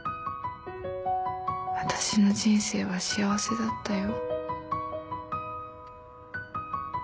私の人生は幸せだったよ」。